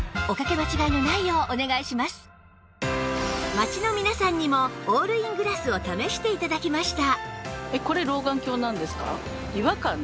街の皆さんにもオールイングラスを試して頂きました